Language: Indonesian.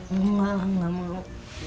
enggak lah gak mau